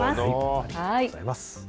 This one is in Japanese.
ありがとうございます。